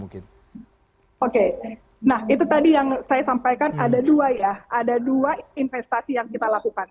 oke nah itu tadi yang saya sampaikan ada dua ya ada dua investasi yang kita lakukan